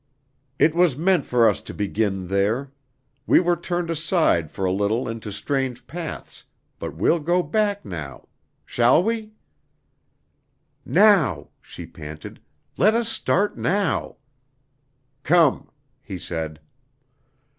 "It was meant for us to begin there. We were turned aside for a little into strange paths, but we'll go back now. Shall we?" "Now," she panted. "Let us start now." "Come," he said.